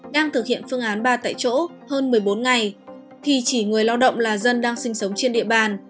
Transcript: đang thực hiện phương án ba tại chỗ hơn một mươi bốn ngày thì chỉ người lao động là dân đang sinh sống trên địa bàn